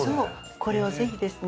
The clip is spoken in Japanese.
これを是非ですね